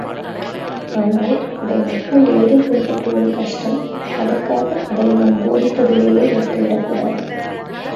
ஆனால், அதை மக்கள் எளிதில் பின்பற்றுவது கஷ்டம் அதற்காக அதை நாம் போதிப்பதிலேயே நிறுத்திவிடக்கூடாது.